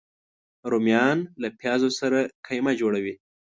رومیان له پیازو سره قیمه جوړه وي